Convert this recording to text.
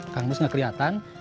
kang nus nggak kelihatan